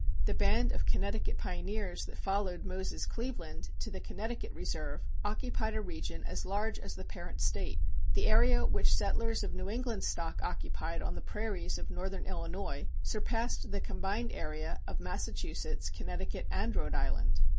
The band of Connecticut pioneers that followed Moses Cleaveland to the Connecticut Reserve occupied a region as large as the parent State. The area which settlers of New England stock occupied on the prairies of northern Illinois surpassed the combined area of Massachusetts, Connecticut, and Rhode Island.